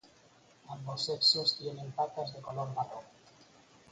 Ambos sexos tienen patas de color marrón.